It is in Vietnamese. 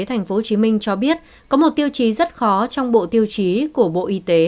thành phố hồ chí minh cho biết có một tiêu chí rất khó trong bộ tiêu chí của bộ y tế